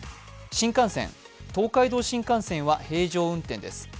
新幹線、東海道新幹線は平常運転です。